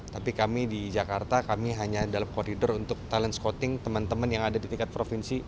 tapi kami di jakarta kami hanya dalam koridor untuk talent scouting teman teman yang ada di tingkat provinsi